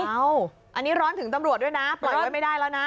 อันนี้ร้อนถึงตำรวจด้วยนะปล่อยกันไม่ได้แล้วนะ